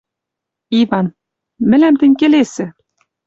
Иван: «Мӹлӓм тӹнь келесӹ;